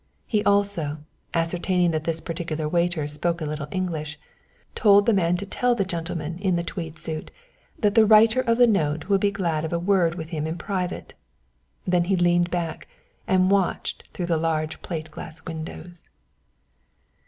He also, ascertaining that this particular waiter spoke a little English, told the man to tell the gentleman in the tweed suit that the writer of the note would be glad of a word with him in private. Then he leaned back and watched through the large plate glass windows.